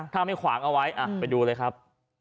ถ้าไม่ขวางเอาไว้ไปดูเลยครับ